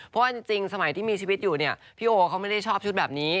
เพราะว่าจริงสมัยที่มีชีวิตอยู่เนี่ยพี่โอเขาไม่ได้ชอบชุดแบบนี้